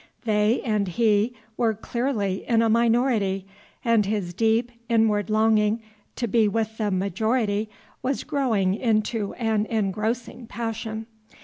They and he were clearly in a minority, and his deep inward longing to be with the majority was growing into an engrossing passion.